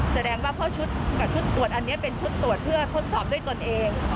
แสดงว่าเพราะชุดกับชุดตรวจอันนี้เป็นชุดตรวจเพื่อทดสอบด้วยตนเอง